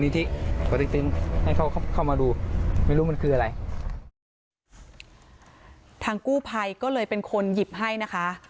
ทางกู้ภัยก็เลยเป็นคนหยิบให้นะคะ